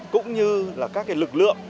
cũng như là các lực lượng